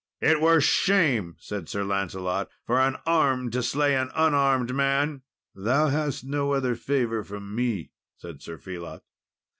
"It were shame," said Lancelot, "for an armed to slay an unarmed man." "Thou hast no other favour from me," said Sir Phelot.